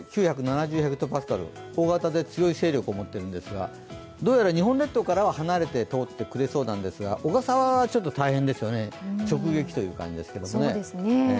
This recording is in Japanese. これ９７０ｈＰａ、大型で強い勢力を持ってるんですがどうやら日本列島からは離れて通ってくれそうなんですが小笠原はちょっと大変ですよね、直撃という感じですよね。